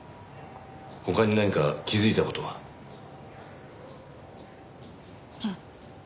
他に何か気づいた事は？あっ。